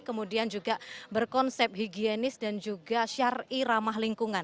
kemudian juga berkonsep higienis dan juga syari ramah lingkungan